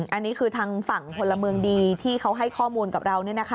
อันนี้คือทางฝั่งพลเมืองดีที่เขาให้ข้อมูลกับเรา